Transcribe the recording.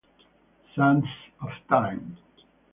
Sands of Time